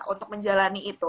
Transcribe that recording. untuk menjalani itu